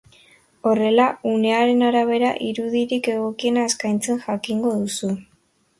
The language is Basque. Horrela, unearen arabera irudirik egokiena eskaintzen jakingo duzu.